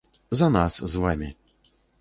За нас з вамі.